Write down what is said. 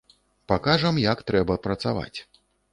Пакажам як трэба працаваць.